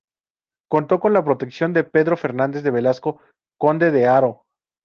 Contó con la protección de Pedro Fernández de Velasco, conde de Haro.